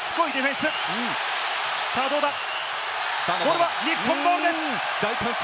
これは日本ボールです。